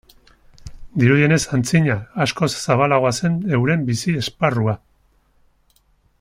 Dirudienez antzina askoz zabalagoa zen euren bizi-esparrua.